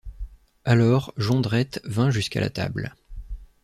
Alors Jondrette vint jusqu’à la table.